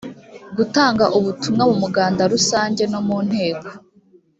gutanga ubutumwa mu muganda rusange no mu nteko